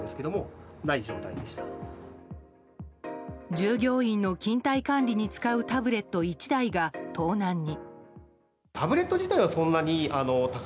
従業員の勤怠管理に使うタブレット１台が盗難に。